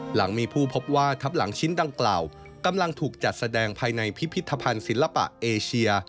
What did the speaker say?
หลังมีผู้พบว่าทับหลังชิ้นดังกล่าวกำลังถูกจัดแสดงภายในพิพิธภัณฑ์ศิลปะเอเชีย